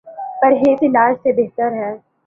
پرہیز علاج سے بہتر ہے۔